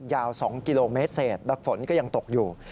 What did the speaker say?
ยาว๒กิโลเมตรเศษและฝนก็ยังตกอยู่